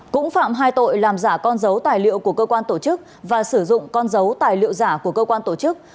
cũng phạm hai tội làm giả con dấu tài liệu của cơ quan tổ chức và sử dụng con dấu tài liệu giả của cơ quan tổ chức